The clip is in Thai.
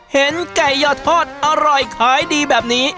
เห็นไก่ยาทอดอร่อยขายดีแบบนี้